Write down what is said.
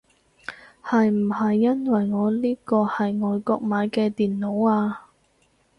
係唔係因為我呢個係外國買嘅電腦啊